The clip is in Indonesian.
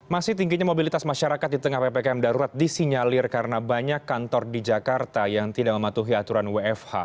masih tingginya mobilitas masyarakat di tengah ppkm darurat disinyalir karena banyak kantor di jakarta yang tidak mematuhi aturan wfh